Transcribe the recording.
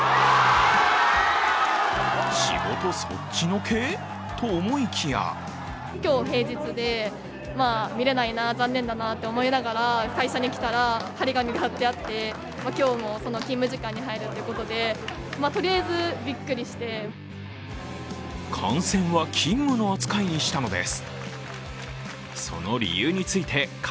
仕事そっちのけ？と思いきや観戦は勤務の扱いにしたのです。